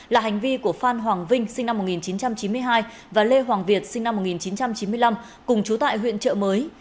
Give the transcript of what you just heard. là hành vi của phan hoàng vinh sinh năm một nghìn chín trăm chín mươi hai và lê hoàng việt sinh năm một nghìn chín trăm chín mươi năm cùng chú tại huyện trợ mới